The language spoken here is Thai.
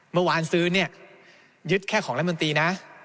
เมื่อวานซื้อเนี่ยยึดแค่ของรัฐมนตรีนะ